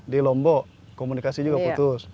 di lombok komunikasi juga putus